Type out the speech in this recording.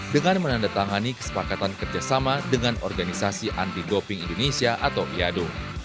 dengan menandatangani kesepakatan kerjasama dengan organisasi anti doping indonesia atau iado